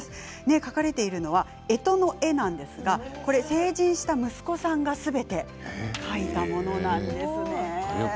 描かれているのはえとの絵なんですが成人した息子さんがすべて描いたものなんです。